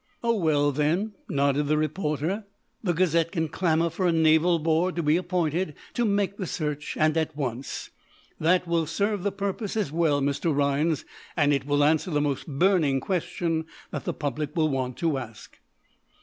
"Oh, well, then," nodded the reporter, "the 'Gazette' can clamor for a naval board to be appointed to make the search, and at once. That will serve the purpose as well, Mr. Rhinds and it will answer the most burning question that the public will want to ask."